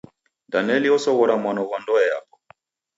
Daneli osoghora mwano ghwa ndoe yapo.